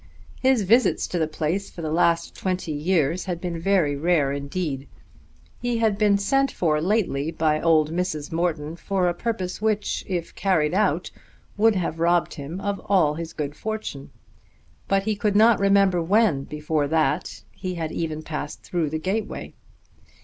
His visits to the place for the last twenty years had been very rare indeed. He had been sent for lately by old Mrs. Morton, for a purpose which if carried out would have robbed him of all his good fortune, but he could not remember when, before that, he had even passed through the gateway.